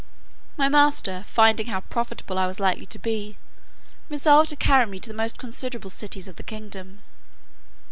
My master, finding how profitable I was likely to be, resolved to carry me to the most considerable cities of the kingdom.